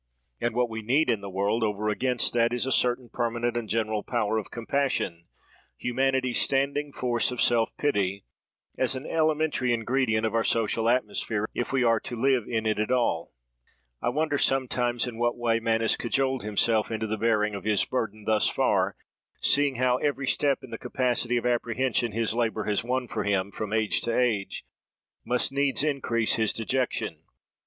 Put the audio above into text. And what we need in the world, over against that, is a certain permanent and general power of compassion—humanity's standing force of self pity—as an elementary ingredient of our social atmosphere, if we are to live in it at all. I wonder, sometimes, in what way man has cajoled himself into the bearing of his burden thus far, seeing how every step in the capacity of apprehension his labour has won for him, from age to age, must needs increase his dejection.